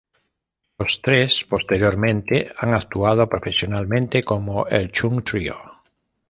Los tres posteriormente han actuado profesionalmente como el Chung Trío.